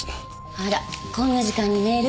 あらこんな時間にメール？